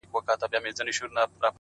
داسې په نه خبره نه خبره هيڅ مه کوه!